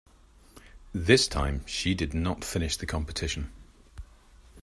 This time, she did not finish the competition.